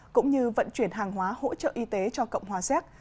cũng như vận chuyển hàng hóa hỗ trợ y tế cho cộng hòa xét